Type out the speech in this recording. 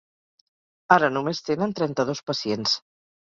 Ara només tenen trenta-dos pacients.